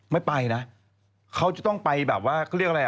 ไม่ไปนะเขาจะต้องไปแบบว่าเขาเรียกอะไรอ่ะ